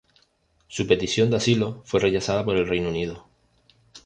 Su petición de asilo fue rechazada en el Reino Unido.